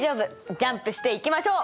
ジャンプしていきましょう！